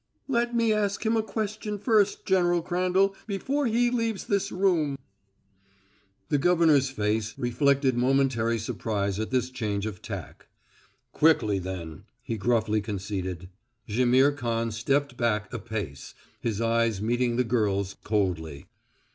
"Let me ask him a question first, General Crandall before he leaves this room." The governor's face reflected momentary surprise at this change of tack. "Quickly then," he gruffly conceded. Jaimihr Khan stepped back a pace, his eyes meeting the girl's coldly.